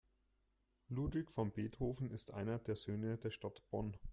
Ludwig van Beethoven ist einer der Söhne der Stadt Bonn.